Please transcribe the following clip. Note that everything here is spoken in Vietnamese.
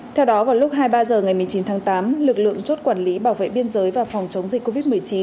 theo đó vào lúc hai mươi ba h ngày một mươi chín tháng tám lực lượng chốt quản lý bảo vệ biên giới và phòng chống dịch covid một mươi chín